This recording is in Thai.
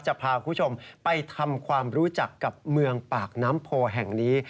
จะพาคุณผู้ชมไปทำความรู้จักกับเมืองปากน้ำโพแห่งนี้